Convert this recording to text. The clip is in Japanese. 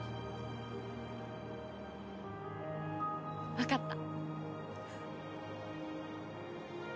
わかった。